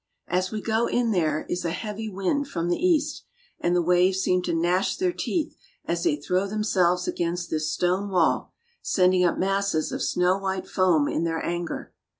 As we go in there is a heavy wind from the east, and the waves seem to gnash their teeth as they throw them selves against this stone wall, sending up masses of snow white foam in their anger.